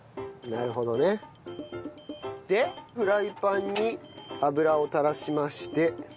なるほどね。でフライパンに油を垂らしまして。